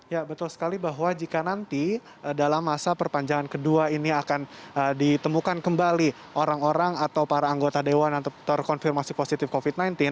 ya betul sekali bahwa jika nanti dalam masa perpanjangan kedua ini akan ditemukan kembali orang orang atau para anggota dewan yang terkonfirmasi positif covid sembilan belas